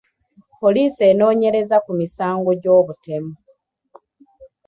Poliisi enoonyereza ku musango gw'obutemu.